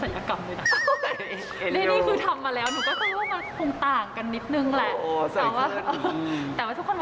ละครเรื่องนาน้ายังไม่ได้ทำเศรษฐกรรม